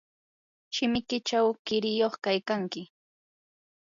shimikiychaw qiriyuq kaykanki.